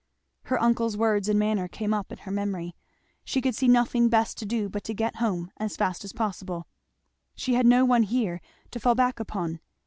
Her uncle's words and manner came up in her memory. She could see nothing best to do but to get home as fast as possible. She had no one here to fall back upon.